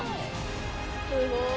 すごい。